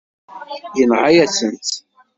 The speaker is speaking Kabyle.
Yenɣa-yasen-tt.